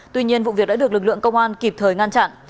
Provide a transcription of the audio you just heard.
tuy nhiên vụ việc đã được lực lượng công an kịp thời ngăn chặn